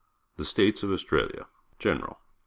THE STATES OF AUSTRALIA General.